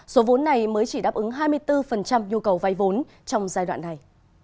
số vốn này mới chỉ đáp ứng hai mươi bốn nhu cầu vay vốn trong giai đoạn này